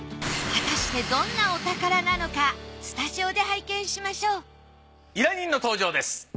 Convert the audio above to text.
果たしてどんなお宝なのかスタジオで拝見しましょう依頼人の登場です。